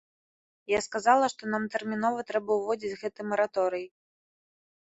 Я сказала, што нам тэрмінова трэба ўводзіць гэты мараторый.